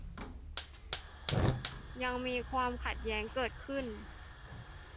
ยังมีความขัดแย้งเกิดขึ้น